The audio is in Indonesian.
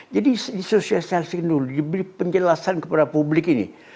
jadi disosialisasi dulu diberi penjelasan kepada publik ini